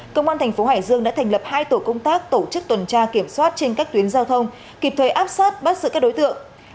công an thành phố hải dương đã thành lập hai tổ công tác tổ chức tuần tra kiểm soát trên các tuyến giao thông kịp thời áp sát bắt giữ các đối tượng